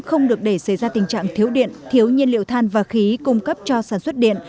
không được để xảy ra tình trạng thiếu điện thiếu nhiên liệu than và khí cung cấp cho sản xuất điện